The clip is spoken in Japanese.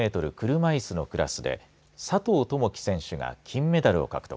車いすのクラスで佐藤友祈選手が金メダルを獲得。